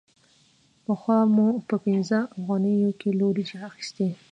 پخوا مو په پنځه افغانیو یو کیلو وریجې اخیستلې